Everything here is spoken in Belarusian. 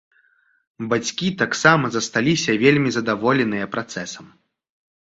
Бацькі таксама засталіся вельмі задаволеныя працэсам.